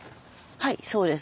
はいそうです。